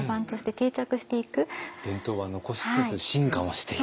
伝統は残しつつ進化をしていく。